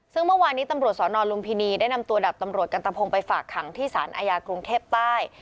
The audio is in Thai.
ซึ่งเมื่อวานนี้ตำรวจสนลุมพินีได้นำตัวดับตำรวจกันตะพงไปฝากขังที่สารอาญากรุงเทพใต้